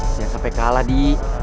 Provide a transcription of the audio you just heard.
siapa yang kalah di